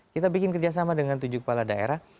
kita bikin kerjasama dengan tujuh kepala daerah